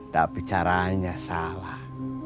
tapi caranya salah